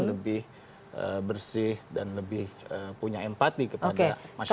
lebih bersih dan lebih punya empati kepada masyarakat